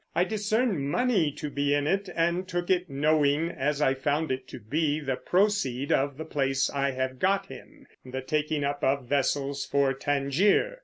I discerned money to be in it, and took it, knowing, as I found it to be, the proceed of the place I have got him, the taking up of vessels for Tangier.